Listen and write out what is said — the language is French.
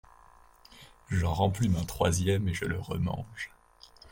J’en replume un troisième et je le remange…